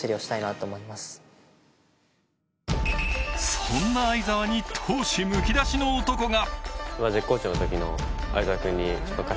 そんな相澤に闘志むき出しの男が。